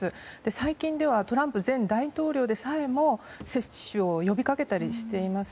最近ではトランプ前大統領でさえも接種を呼び掛けたりしています。